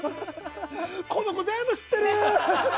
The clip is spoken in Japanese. この子、全部知ってる！